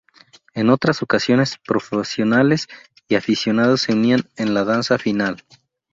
En otras ocasiones, profesionales y aficionados se unían en la danza final.